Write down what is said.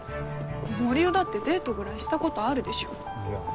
森生だってデートくらいしたことあるでしょいや